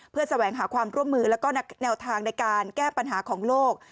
แสวงหาความร่วมมือแล้วก็แนวทางในการแก้ปัญหาของโลก